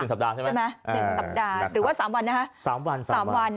สัปดาห์ใช่ไหม๑สัปดาห์หรือว่า๓วันนะคะ๓วัน๓วัน